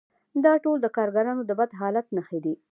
دا ټول د کارګرانو د بد حالت نښې دي